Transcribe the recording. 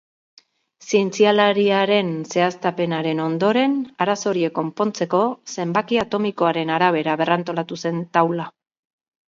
Zientzialariaren zehaztapenaren ondoren, arazo horiek konpontzeko, zenbaki atomikoaren arabera berrantolatu zen taula.